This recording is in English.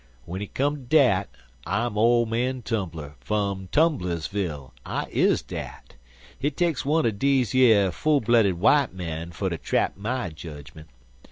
W'en hit come to dat I'm ole man Tumbler, fum Tumblersville I is dat. Hit takes one er deze yer full blooded w'ite men fur ter trap my jedgment.